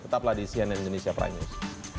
tetaplah di cnn indonesia prime news